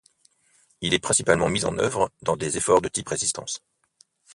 Il est principalement mis en œuvre dans des efforts de type résistance.